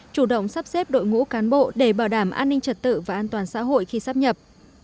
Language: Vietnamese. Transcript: chủ động sắp xếp đội ngũ cán bộ để bảo đảm an ninh trật tự và an toàn xã hội khi sắp nhập